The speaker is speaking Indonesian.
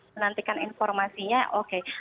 menantikan informasinya oke